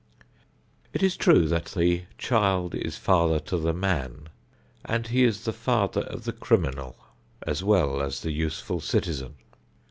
It is true that "the child is father to the man," and he is the father of the criminal as well as the useful citizen.